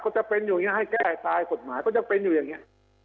ก็จะเป็นอย่างนี้ให้แก้ตายกฎหมายก็จะเป็นอยู่อย่างนี้